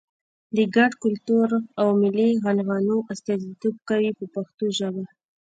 د ګډ کلتور او ملي عنعنو استازیتوب کوي په پښتو ژبه.